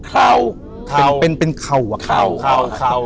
ข่าวเป็นเป็นเข่าอ่ะเข่าเข่าเข่า